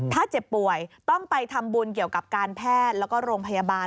ถ้าเจ็บป่วยต้องไปทำบุญเกี่ยวกับการแพทย์แล้วก็โรงพยาบาล